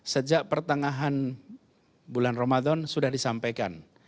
sejak pertengahan bulan ramadan sudah disampaikan